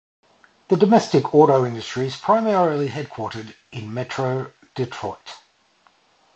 The domestic auto industry is primarily headquartered in Metro Detroit.